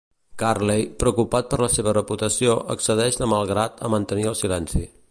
Curley, preocupat per la seva reputació, accedeix de mal grat a mantenir el silenci.